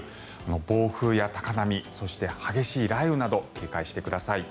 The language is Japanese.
暴風や高波そして激しい雷雨など警戒してください。